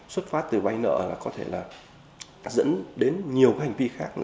xuất phát từ vay nợ là có thể là dẫn đến nhiều cái hành vi khác